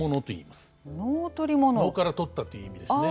「能から取った」という意味ですね。